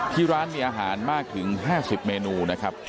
ที่ร้านมีอาหารมากถึง๕๐เมนูนะครับ